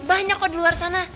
banyak kok di luar sana